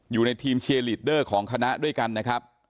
อยู่ในทีมเชียร์ลีดเดอร์ของคณะด้วยกันนะครับ